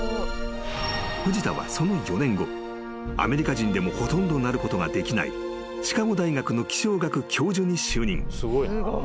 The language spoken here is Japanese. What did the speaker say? ［藤田はその４年後アメリカ人でもほとんどなることができないシカゴ大学の気象学教授に就任］